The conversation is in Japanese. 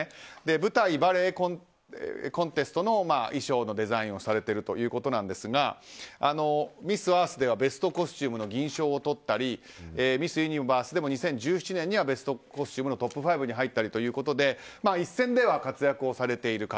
舞台、バレエコンテストの衣装のデザインをされているということですがミス・アースではベスト・コスチュームの銀賞をとったりミス・ユニバースでも２０１７年にはベスト・コスチュームのトップ５に入ったりと一線では活躍されている方。